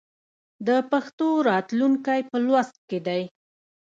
د پښتو راتلونکی په لوست کې دی.